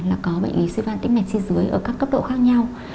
là có bệnh lý suy giãn tĩnh mạch chi dưới ở các cấp độ khác nhau